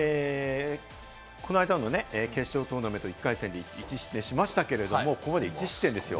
決勝トーナメント１回戦に１失点しましたけれども、ここまで１失点ですよ？